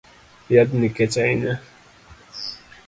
Yadhni kech ahinya